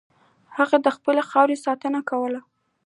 هغه د خپلې خاورې ساتنه کوله.